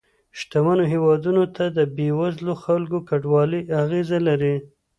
شتمنو هېوادونو ته د بې وزله خلکو کډوالۍ اغیزه لري